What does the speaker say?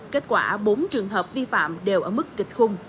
kết quả bốn trường hợp vi phạm đều ở mức kịch khung